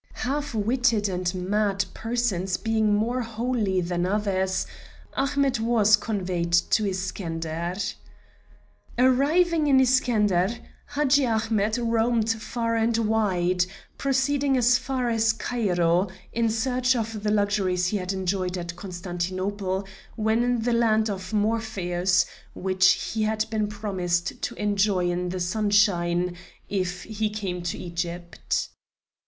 Half witted and mad persons being more holy than others, Ahmet was conveyed to Iskender. Arriving in Iskender, Hadji Ahmet roamed far and wide, proceeding as far as Cairo, in search of the luxuries he had enjoyed at Constantinople when in the land of Morpheus, which he had been promised to enjoy in the sunshine, if he came to Egypt.